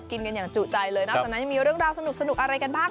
กินกันอย่างจุใจเลยนอกจากนั้นยังมีเรื่องราวสนุกอะไรกันบ้าง